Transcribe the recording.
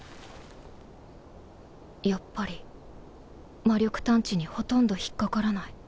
やっぱり魔力探知にほとんど引っかからない